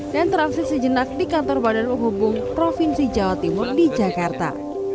dan transisi jenak di kantor badan penghubung provinsi jawa timur di jakarta